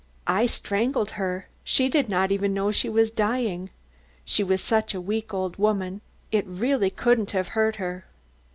"I strangled her. She did not even know she was dying. She was such a weak old woman, it really couldn't have hurt her."